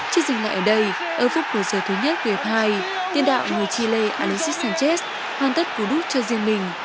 trước dừng lại ở đây ở phút của giờ thứ nhất của hiệp hai tiên đạo người chile alexis sanchez hoàn tất cố đúc cho riêng mình